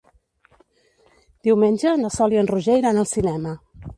Diumenge na Sol i en Roger iran al cinema.